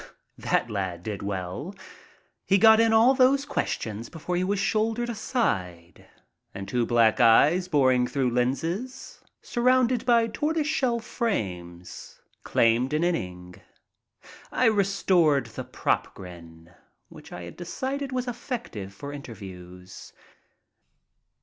That lad did well. He got in all those questions before he was shouldered aside and two black eyes boring through lenses surrounded by tortoise shell frames claimed an inning. I restored the "prop grin" which I had decided was effective for interviews.